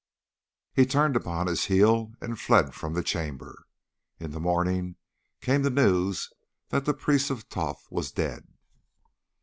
He turned upon his heel and fled from the chamber. In the morning came the news that the Priest of Thoth was dead.